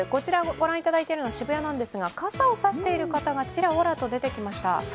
御覧いただいているのは渋谷なんですが傘を差している方がちらほらと出てきました。